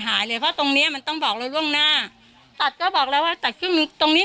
หายหายเลยเพราะตรงนี้มันต้องบอกข้างล่างติดก็บอกแล้วว่าตัดขึ้นที่ตรงนี้